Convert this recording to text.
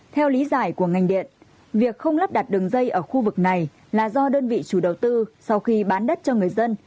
theo lý giải của ngành điện việc không lắp đặt đường dây ở khu vực này là do đơn vị chủ đầu tư sau khi bán đất cho người dân